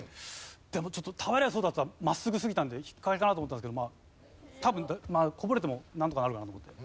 でもちょっと俵屋宗達は真っすぐすぎたんで引っかけかなと思ったんですけど多分こぼれてもなんとかなるかなと思って。